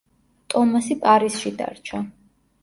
ტომასი პარიზში დარჩა.